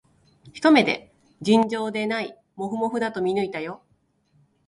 ひと目で、尋常でないもふもふだと見抜いたよ